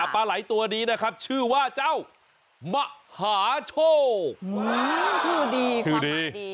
ปลาไหล่ตัวนี้นะครับชื่อว่าเจ้ามหาโชคชื่อดีชื่อดี